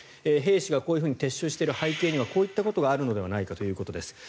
兵士がこういうふうに撤収している背景にはこういうことがあるのではということです。